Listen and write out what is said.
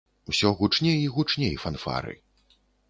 Усё гучней і гучней фанфары.